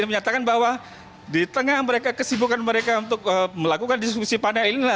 menyatakan bahwa di tengah kesibukan mereka untuk melakukan diskusi pandai ini